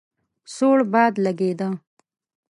سوړ باد لګېده.